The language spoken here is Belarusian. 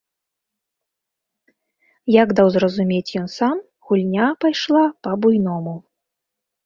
Як даў зразумець ён сам, гульня пайшла па-буйному.